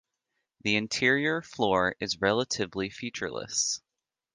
The interior floor is relatively featureless.